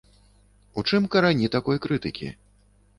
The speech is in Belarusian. У чым карані такой крытыкі?